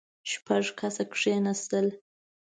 شپږ کسه کېناستل.